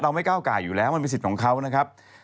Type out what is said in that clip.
ไม่ก้าวไก่อยู่แล้วมันเป็นสิทธิ์ของเขานะครับ